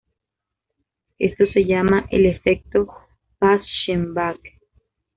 Esto se llama el efecto Paschen-Back.